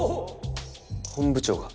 本部長が？